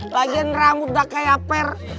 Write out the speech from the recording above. lagian rambut gak kayak per